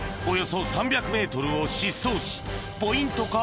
およそ３００ｍを疾走しポイント